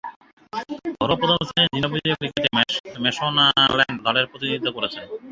ঘরোয়া প্রথম-শ্রেণীর জিম্বাবুয়ীয় ক্রিকেটে ম্যাশোনাল্যান্ড দলের প্রতিনিধিত্ব করেছেন।